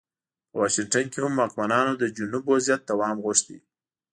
په واشنګټن کې هم واکمنانو د جنوب وضعیت دوام غوښت.